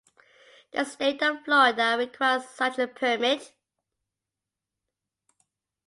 The state of Florida requires such a permit.